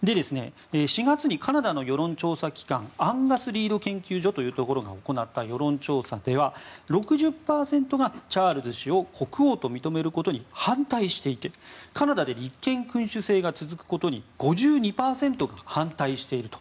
４月にカナダの世論調査機関アンガス・リード研究所というところが行った世論調査では６０％がチャールズ氏を国王と認めることに反対していてカナダで立憲君主制が続くことに５２％反対していると。